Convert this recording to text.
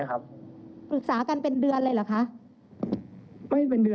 ทั้งที่ก็แถลงข่าวบอกว่าไม่ได้มีเจตนา